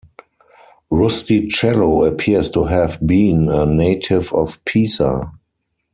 Rustichello appears to have been a native of Pisa.